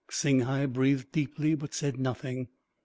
Singhai breathed deeply, but said nothing.